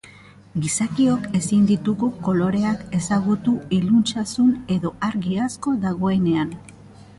Gizakiok ezin ditugu koloreak ezagutu iluntasun edo argi asko dagoenean.